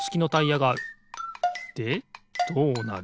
でどうなる？